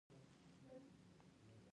وخت ګټور دی.